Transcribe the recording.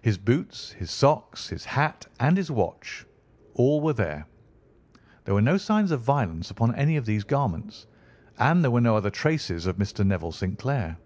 His boots, his socks, his hat, and his watch—all were there. There were no signs of violence upon any of these garments, and there were no other traces of Mr. Neville St. Clair.